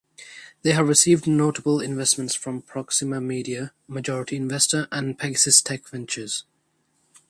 They have received notable investments from Proxima Media (majority investor) and Pegasus Tech Ventures.